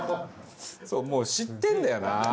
もう知ってるんだよな。